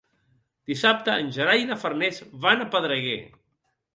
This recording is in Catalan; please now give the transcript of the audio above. Dissabte en Gerai i na Farners van a Pedreguer.